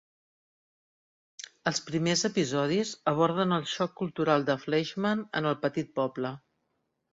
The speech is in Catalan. Els primers episodis aborden el xoc cultural de Fleischman en el petit poble.